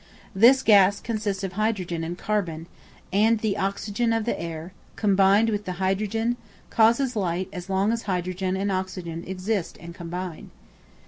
This gas consists of hydrogen and carbon; and the oxygen of the air, combined with the hydrogen, causes light as long as hydrogen and oxygen exist and combine.